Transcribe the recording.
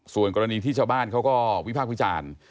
ส่วนกรณีที่ชาวบ้านเขาก็วิพากษ์วิจารณ์